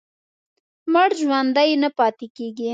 مړ ژوندی نه پاتې کېږي.